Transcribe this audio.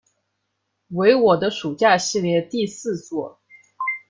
为我的暑假系列第四作。